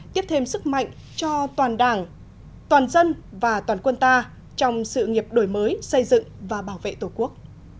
tiếp thêm sức mạnh cho toàn đảng toàn dân và toàn quân ta trong sự nghiệp đổi mới xây dựng và bảo vệ tổ quốc